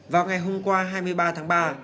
vào ngày hôm qua hai mươi ba tháng ba